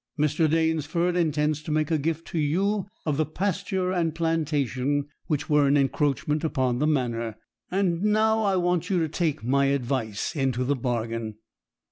Mr. Danesford intends to make a gift to you of the pasture and plantation, which were an encroachment upon the manor. And now I want you to take my advice into the bargain.